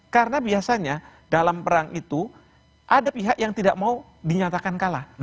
karena biasanya dalam perang itu ada pihak yang tidak mau dinyatakan kalah